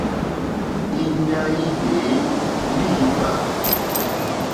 Íɲa í ŋɡbèé líǐpkà.